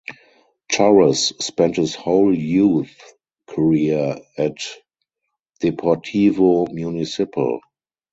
Torres spent his whole youth career at Deportivo Municipal.